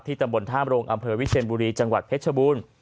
ตำบลท่ามโรงอำเภอวิเชียนบุรีจังหวัดเพชรบูรณ์